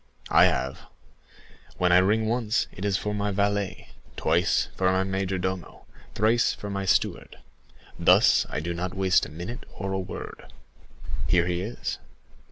I have. When I ring once, it is for my valet; twice, for my majordomo; thrice, for my steward,—thus I do not waste a minute or a word. Here he is."